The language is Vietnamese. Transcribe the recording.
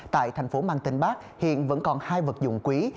tại thành phố mang tên bác hiện vẫn còn hai vật dụng quý